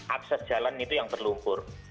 akses jalan itu yang berlumpur